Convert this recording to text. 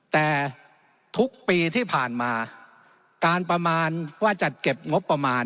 แต่ทุกปีที่ผ่านมาการประมาณว่าจัดเก็บงบประมาณ